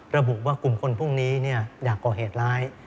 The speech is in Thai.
ระบุว่ากลุ่มคนพวกนี้อยากก่อเหตุร้าย